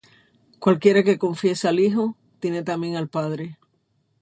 Cualquiera que confiese al Hijo tiene también al Padre.